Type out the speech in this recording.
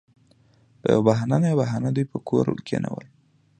پـه يـوه بهـانـه نـه يـوه بهـانـه دوي پـه کـور کېـنول.